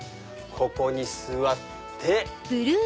ここに座って。